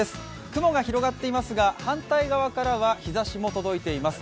雲が広がっていますが、反対側からは日ざしも届いています。